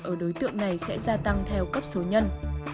ở đối tượng này sẽ gia tăng theo cấp số nhân